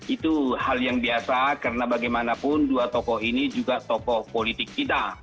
itu hal yang biasa karena bagaimanapun dua tokoh ini juga tokoh politik kita